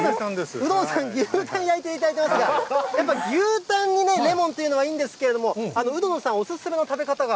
鵜殿さんに牛タン焼いていただいてますが、牛タンにレモンというのはいいんですけども鵜殿さん、お勧めの食べ方が。